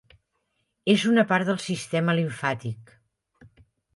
És una part del sistema limfàtic.